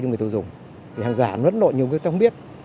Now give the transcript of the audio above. người tiêu dùng thì hàng giả nó rất nội nhiều người ta không biết